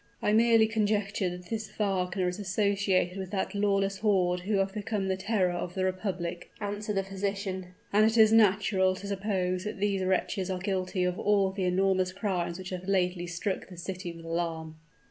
"I merely conjecture that this Wagner is associated with that lawless horde who have become the terror of the republic," answered the physician; "and it is natural to suppose that these wretches are guilty of all the enormous crimes which have lately struck the city with alarm."